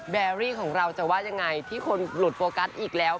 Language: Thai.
แอรี่ของเราจะว่ายังไงที่คนหลุดโฟกัสอีกแล้ว